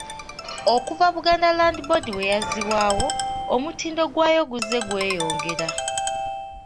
Okuva Buganda Land Board bwe yazzibwawo, omutindo gwayo guzze gweyongera.